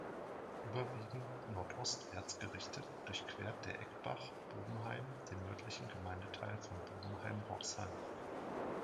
Überwiegend nordostwärts gerichtet durchquert der Eckbach Bobenheim, den nördlichen Gemeindeteil von Bobenheim-Roxheim.